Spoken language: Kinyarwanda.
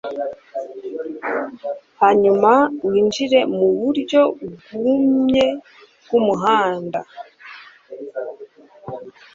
hanyuma winjire muburyo bwumye bwumuhanda